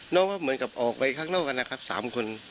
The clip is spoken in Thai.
น้องก็เหมือนกับออกไปข้างนอกกันนะครับ๓คน